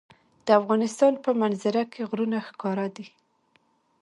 د افغانستان په منظره کې غرونه ښکاره ده.